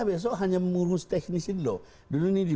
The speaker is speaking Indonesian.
besok hanya mengurus teknisi loh di